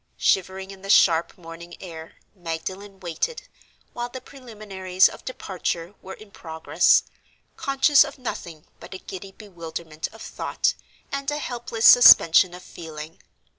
Shivering in the sharp morning air, Magdalen waited, while the preliminaries of departure were in progress, conscious of nothing but a giddy bewilderment of thought, and a helpless suspension of feeling.